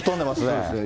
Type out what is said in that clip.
そうですね。